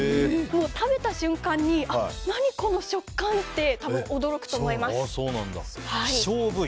食べた瞬間に何この食感！って多分、驚くと思います。